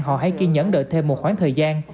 họ hãy kiên nhẫn đợi thêm một khoảng thời gian